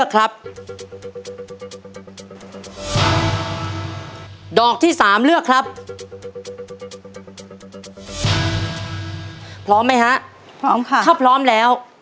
พร้อมไหมฮะพร้อมค่ะถ้าพร้อมแล้ว